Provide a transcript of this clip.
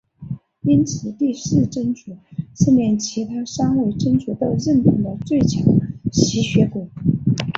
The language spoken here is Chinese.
因此第四真祖是连其他三位真祖都认同的最强吸血鬼。